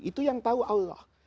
itu yang tahu allah